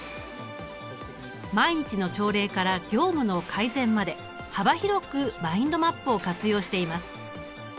毎日の朝礼から業務の改善まで幅広くマインドマップを活用しています。